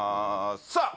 さあ